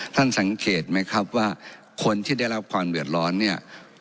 ท่านสังเกตไหมครับว่าคนที่ได้รับความเดือดร้อนเนี่ย